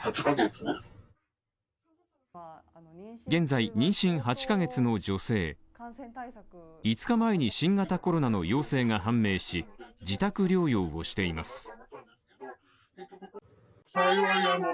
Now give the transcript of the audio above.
現在妊娠８ヶ月の女性５日前に新型コロナの陽性が判明し、自宅療養をしています